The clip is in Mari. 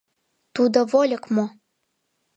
Тудо вольык мо!